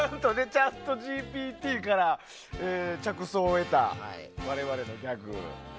チャットＧＰＴから着想を得た我々のギャグ。